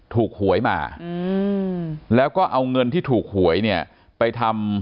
ถูกหวยมาแล้วก็เอาเงินที่ถูกหวยเนี่ยไปทำ